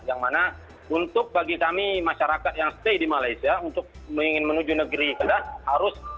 yang mana untuk bagi kami masyarakat yang stay di malaysia untuk ingin menuju negeri kita harus